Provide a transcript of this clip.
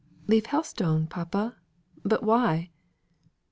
"Leave Helstone, papa! But why?"